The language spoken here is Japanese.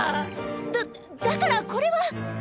だだからこれは。